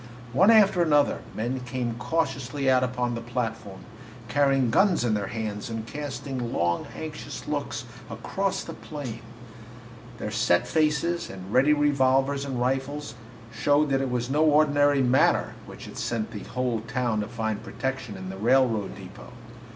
One after another, men came cautiously out upon the platform, carrying guns in their hands and casting long, anxious looks across the plain. Their set faces and ready revolvers and rifles showed that it was no ordinary matter which had sent the whole town to find protection in the railroad depot.